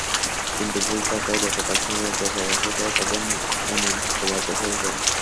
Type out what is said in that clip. কিন্তু ভুল থাকায় গতকাল শনিবার যাচাই-বাছাইকালে তাঁদের মনোনয়নপত্র বাতিল হয়ে যায়।